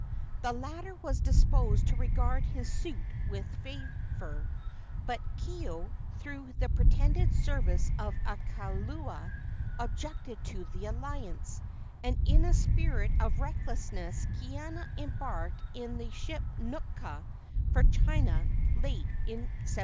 The latter was disposed to regard his suit with favor, but Kaeo, through the pretended advice of a kaula, objected to the alliance, and in a spirit of recklessness Kaiana embarked in the ship Nootka for China late in 1787.